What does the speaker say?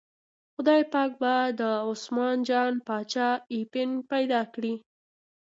خدای پاک به د عثمان جان باچا اپین پیدا کړي.